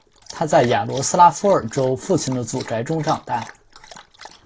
他在雅罗斯拉夫尔州父亲的祖宅中长大。